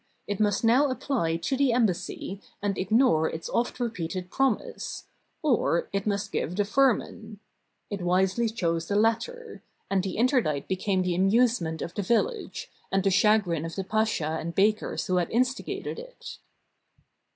It must now apply to the embassy and ignore its oft repeated promise; or it must give the firman. It wisely chose the latter; and the interdict became the amusement of the village, and the chagrin of the pasha and bakers who had instigated it.